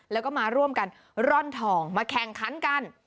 แล้วก็มาร่วมกันร่อนทองมาแข่งขันกัน